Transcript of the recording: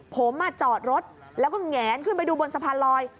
ผมจอดรถแล้วก็แหงขึ้นไปดูบนสะพานลอย